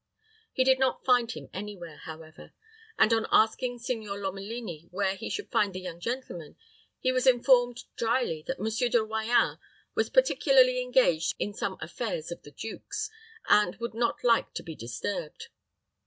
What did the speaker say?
He did not find him any where, however; and, on asking Signor Lomelini where he should find the young gentleman, he was informed, dryly, that Monsieur De Royans was particularly engaged in some affairs of the duke's, and would not like to be disturbed.